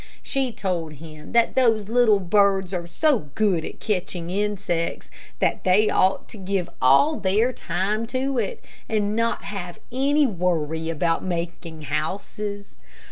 She told him that those little birds are so good at catching insects that they ought to give all their time to it, and not have any worry about making houses.